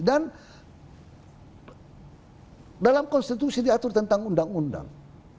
dan dalam konstitusi diatur tentang undang undang